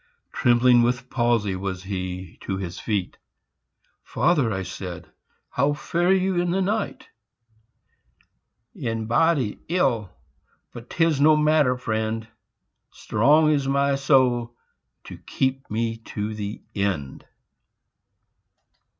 Trembling with palsy was he to his feet. "Father," I said, "how fare you in the night?" "In body ill, but 'tis no matter, friend, Strong is my soul to keep me to the end."